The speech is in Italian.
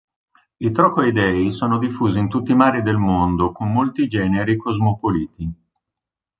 I trocoidei sono diffusi in tutti i mari del mondo con molti generi cosmopoliti.